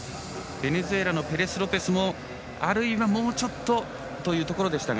ベネズエラのペレスロペスもあるいは、もうちょっとというところでしたが。